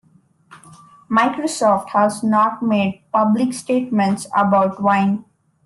Microsoft has not made public statements about Wine.